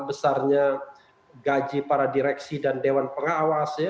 besarnya gaji para direksi dan dewan pengawas